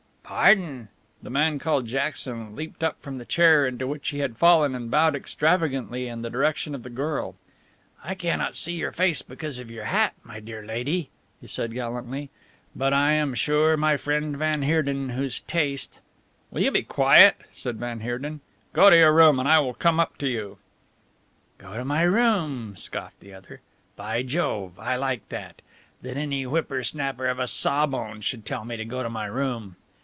"Pardon." The man called Jackson leapt up from the chair into which he had fallen and bowed extravagantly in the direction of the girl. "I cannot see your face because of your hat, my dear lady," he said gallantly, "but I am sure my friend van Heerden, whose taste " "Will you be quiet?" said van Heerden. "Go to your room and I will come up to you." "Go to my room!" scoffed the other. "By Jove! I like that! That any whipper snapper of a sawbones should tell me to go to my room.